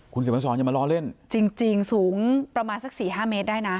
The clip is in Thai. คุณเศษฐานสอนจะมาล้อเล่นจริงสูงประมาณสัก๔๕เมตรได้นะ